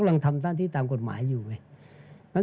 คัตุหนาทัทหรือไม่